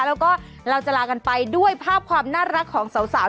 แล้วก็เราจะลากันไปด้วยภาพความน่ารักของสาว